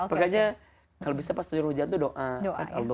makanya kalo bisa pas turun hujan tuh doa